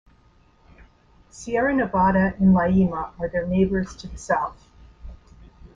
Sierra Nevada and Llaima are their neighbors to the south.